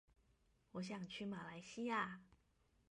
我想去馬來西亞